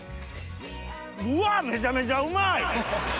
うわめちゃめちゃうまい！